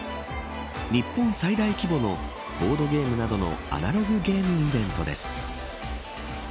日本最大規模のボードゲームなどのアナログゲームイベントです。